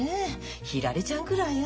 ひらりちゃんぐらいよ